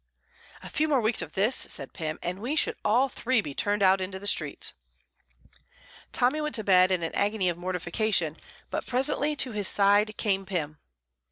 "A few more weeks of this," said Pym, "and we should all three be turned out into the streets." Tommy went to bed in an agony of mortification, but presently to his side came Pym.